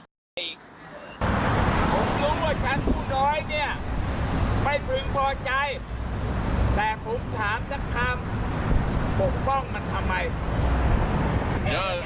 แต่ผมถามพวกนักคามปกป้องมันทำไม